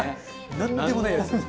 なんでもないやつ。